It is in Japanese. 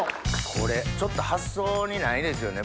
これちょっと発想にないですよね